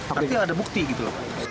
artinya ada bukti gitu